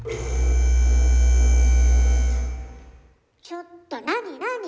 ちょっと何何？